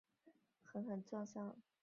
狠狠撞上红砖墙